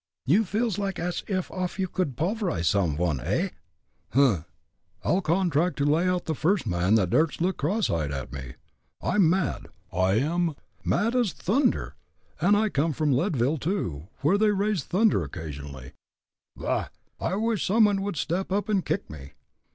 "You feels like ash off you could pulverize some one, eh?" "Humph! I'll contract to lay out the first man that durst look cross eyed at me. I'm mad, I am mad as thunder, and I come from Leadville, too, where they raise thunder occasionally. Bah! I wish some one would step up and kick me!"